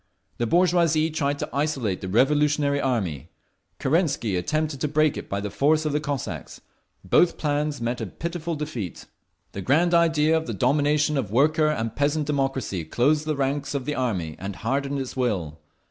The bourgeoisie tried to isolate the revolutionary army. Kerensky attempted to break it by the force of the Cossacks. Both plans met a pitiful defeat. The grand idea of the domination of the worker and peasant democracy closed the ranks of the army and hardened its will.